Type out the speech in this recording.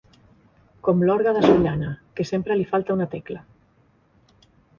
Com l'orgue de Sollana, que sempre li falta una tecla.